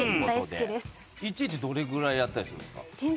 一日どれぐらいやったりするんですか？